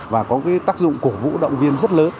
và có cái tác dụng cổ vũ động viên rất lớn